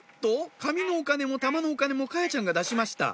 紙のお金も玉のお金も華彩ちゃんが出しました